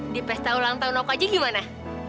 di pesta ulang tahun oka aja gimana